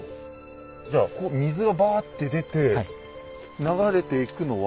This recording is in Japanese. じゃあ水がバーッて出て流れていくのは？